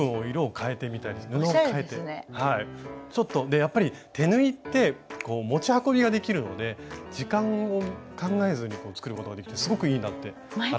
やっぱり手縫いって持ち運びができるので時間を考えずに作ることができてすごくいいなって改めて。